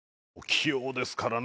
器用ですからね。